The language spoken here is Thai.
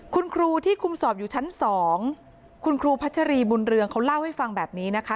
คุณครูที่คุมสอบอยู่ชั้น๒คุณครูพัชรีบุญเรืองเขาเล่าให้ฟังแบบนี้นะคะ